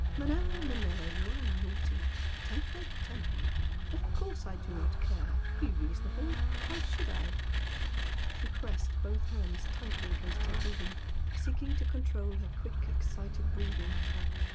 "Manella, Manella, you are naughty! Temper, temper! Of course I do not care! Be reasonable! Why should I?" She pressed both hands tightly against her bosom, seeking to control her quick, excited breathing.